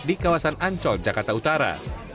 di kawasan ancol jakarta utara